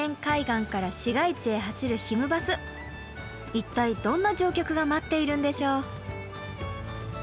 一体どんな乗客が待っているんでしょう。